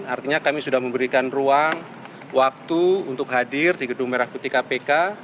artinya kami sudah memberikan ruang waktu untuk hadir di gedung merah putih kpk